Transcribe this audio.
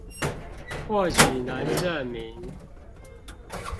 或許能證明